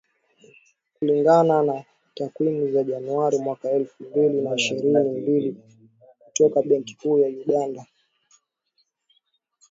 Kulingana na takwimu za Januari mwaka elfu mbili na ishirini na mbili kutoka Benki Kuu ya Uganda